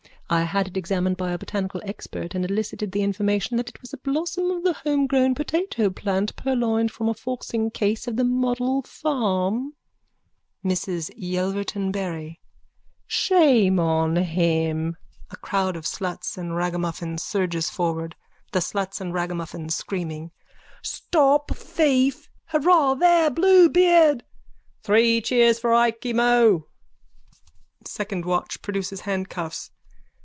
I had it examined by a botanical expert and elicited the information that it was a blossom of the homegrown potato plant purloined from a forcingcase of the model farm. MRS YELVERTON BARRY: Shame on him! (A crowd of sluts and ragamuffins surges forward.) THE SLUTS AND RAGAMUFFINS: (Screaming.) Stop thief! Hurrah there, Bluebeard! Three cheers for Ikey Mo! SECOND WATCH: _(Produces handcuffs.)